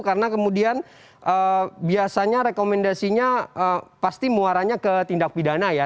karena kemudian biasanya rekomendasinya pasti muaranya ke tindak pidana ya